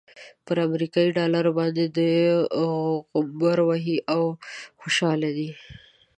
پر امريکايي ډالرو باندې غومبر وهي او خوشحاله دی.